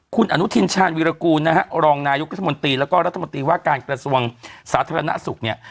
คุณอนุทินชาญวิรากูลนะฮะรองนายกรัฐมนตรีแล้วก็รัฐมนตรีว่าการกระทรวงสาธารณสุขเนี่ย